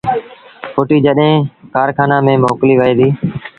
ڦُٽيٚ جڏهيݩ کآرکآݩآݩ ميݩ موڪليٚ وهي ديٚ